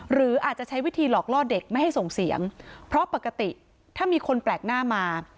หรืออาจจะใช้วิธีหลอกล่อเด็กไม่ให้ส่งเสียงเพราะปกติถ้ามีคนแปลกหน้ามา